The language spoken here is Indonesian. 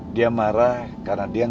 dia marah karena dia